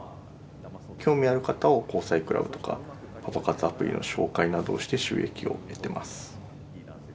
興味ある方を交際クラブとかパパ活アプリの紹介などをして収益を得てます。